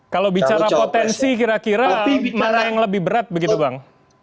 kalau bicara potensi kira kira mana yang lebih berat begitu bang